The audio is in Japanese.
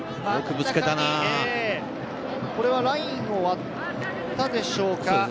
これはラインを割ったでしょうか？